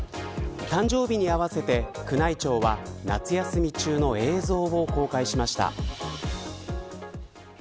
誕生日に合わせて宮内庁は、夏休み中の映像を公開しました。